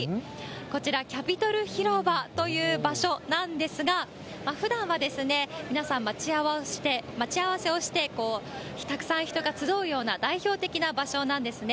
こちら、キャピトル広場という場所なんですが、ふだんは皆さん、待ち合わせをして、たくさん人が集うような代表的な場所なんですね。